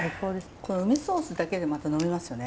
この梅ソースだけでまた呑めますよね。